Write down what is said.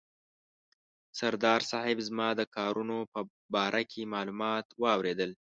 سردار صاحب زما د کارونو په باره کې معلومات واورېدل.